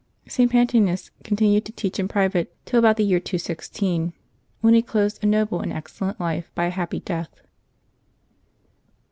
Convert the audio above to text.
St. Pantgenus continued to teach in private till about the year 216, when he closed a noble and excellent life by a happy death.